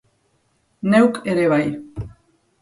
Neuk ere bai.